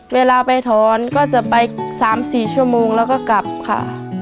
เวลาไปถอนก็จะไป๓๔ชั่วโมงแล้วก็กลับค่ะ